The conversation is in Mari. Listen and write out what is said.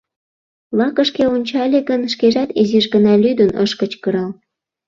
Лакышке ончале гын, шкежат изиш гына лӱдын ыш кычкырал.